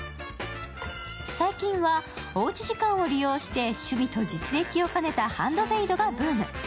最近は、おうち時間を利用して趣味と実益を兼ねたハンドメイドがブーム。